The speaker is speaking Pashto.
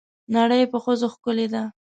نړۍ په ښځو ښکلې ده.